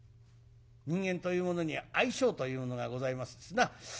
人間というものには相性というのがございますな。